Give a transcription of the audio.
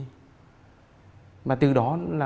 và từ đó là khả năng lớn hơn là nhiêm thị nhi